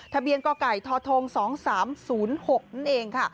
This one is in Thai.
ทะเบียงก่อก่ายทท๒๓๐๖นั่นเอง